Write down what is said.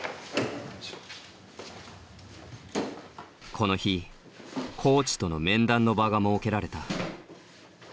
この日コーチとの面談の場が設けられた。